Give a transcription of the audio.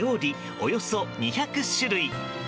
およそ２００種類。